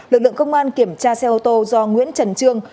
lực lượng công an kiểm tra xe ô tô do nguyễn trần trương